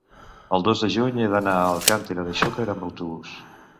El dos de juny he d'anar a Alcàntera de Xúquer amb autobús.